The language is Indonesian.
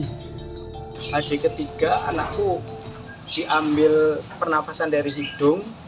hari ketiga anakku diambil pernafasan dari hidung